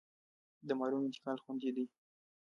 د مالونو انتقال خوندي دی